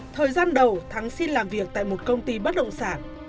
thời gian đầu thắng xin làm việc tại một công ty bất động sản